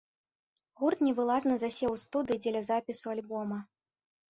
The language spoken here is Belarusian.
Гурт невылазна засеў у студыі дзеля запісу альбома.